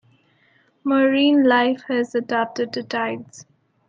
Marine life has adapted to tides.